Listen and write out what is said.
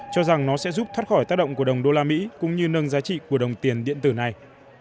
cho rằng nó sẽ giúp thoát khỏi tác động của đồng đô la mỹ cũng như nâng giá trị của đồng tiền điện tử này